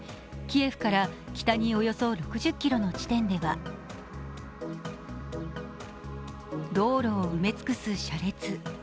キエフから北におよそ６０ｋｍの地点では道路を埋め尽くす車列。